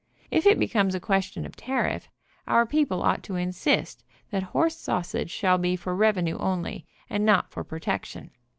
If it becomes a question of tariff, our people ought to insist that horse sausage shall be for revenue only, and not for pro tection.